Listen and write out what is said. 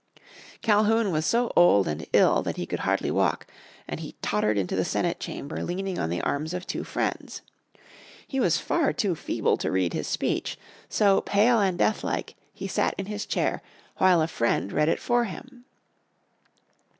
Calhoun was so old and ill that he could hardly walk, and he tottered into the Senate Chamber leaning on the arms of two friends. He was far too feeble to read his speech. So, pale and deathlike, he sat in his chair while a friend read it for him.